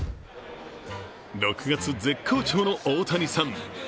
６月絶好調の大谷さん。